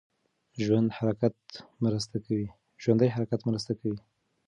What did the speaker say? ژوندی حرکت مرسته کوي.